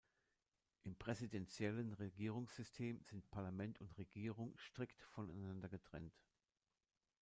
Im präsidentiellen Regierungssystem sind Parlament und Regierung strikt voneinander getrennt.